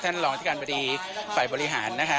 ท่านรองที่การบริษัทธิ์ฝ่ายบริหารนะคะ